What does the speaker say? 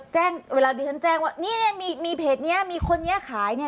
เชื่อได้ว่าผิดกฎหมายแน่